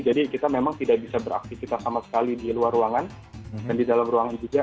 jadi kita memang tidak bisa beraktifitas sama sekali di luar ruangan dan di dalam ruangan juga